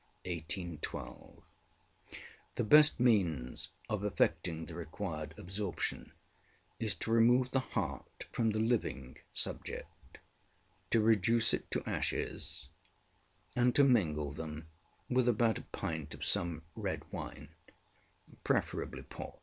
ŌĆ£The best means of effecting the required absorption is to remove the heart from the living subject, to reduce it to ashes, and to mingle them with about a pint of some red wine, preferably port.